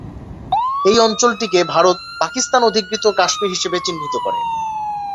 এই অঞ্চলটিকে ভারত পাকিস্তান-অধিকৃত কাশ্মীর নামে চিহ্নিত করে।